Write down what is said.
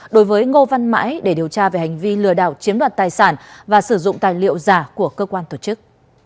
đối với ngô văn mãi để điều tra về hành vi lừa đảo chiếm đoạt tài sản và sử dụng tài liệu giả của cơ quan tổ chức